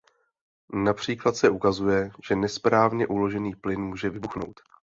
Například se ukazuje, že nesprávně uložený plyn může vybuchnout.